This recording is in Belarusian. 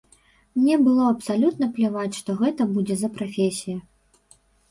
Мне было абсалютна пляваць, што гэта будзе за прафесія.